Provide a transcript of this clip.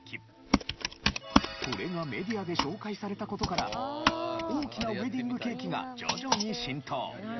これがメディアで紹介された事から大きなウエディングケーキが徐々に浸透。